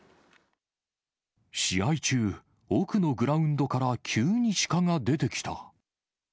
試合中、奥のグラウンドから急にシカが出てきた。